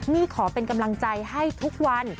มี่ขอเป็นกำลังใจให้ทุกวัน